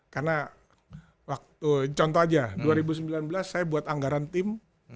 karena waktu contoh aja dua ribu sembilan belas saya buat anggaran tim